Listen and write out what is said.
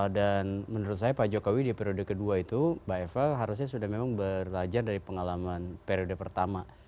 dan menurut saya pak jokowi di periode kedua itu mbak eva harusnya sudah memang belajar dari pengalaman periode pertama